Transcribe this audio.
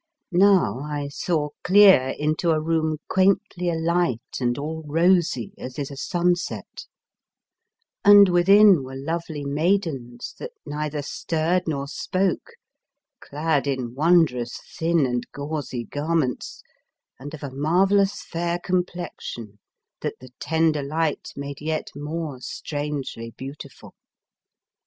Now I saw clear into a room quaintly alight and all rosy as is a sunset, and within were lovely maidens that neither stirred nor spoke, clad in won drous thin and gauzy garments, and of a marvellous fair complexion that the tender light made yet more strangely beautiful.